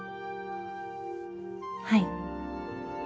はい。